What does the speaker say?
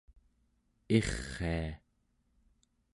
irria